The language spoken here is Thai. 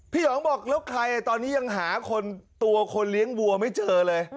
หยองบอกแล้วใครตอนนี้ยังหาคนตัวคนเลี้ยงวัวไม่เจอเลย